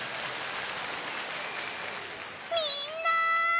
みんな。